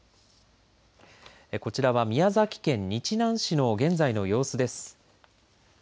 こちらは宮崎県日南市の現在の様子です。